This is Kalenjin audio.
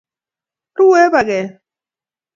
Rue paket